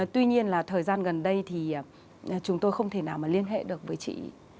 tuy nhiên là thời gian gần đây thì chúng tôi không thể nào mà liên hệ được với chị